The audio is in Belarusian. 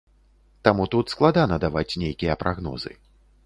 Таму тут складана даваць нейкія прагнозы.